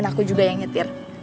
dia sudah bangunpartisi